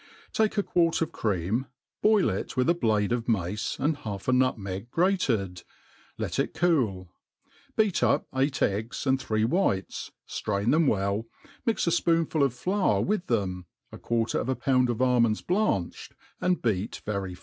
TAKE a quart of cream, boil it with a blade of mace, and half a nutmeg grated, let it cool ; beat up eight eggs,, and three whites, ftrain them well, mix a fpoonful of flour with them, a quarter of a pouiid of almonds blanched, and beat very